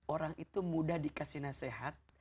orang itu mudah dikasih nasihat